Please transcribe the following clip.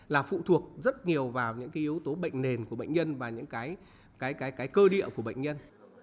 là phụ thuộc rất nhiều vào những cái yếu tố bệnh nền của bệnh nhân và những cái cơ địa của bệnh nhân